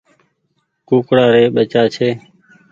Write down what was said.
ڪوڪڙآ ري ٻچآ ڇي۔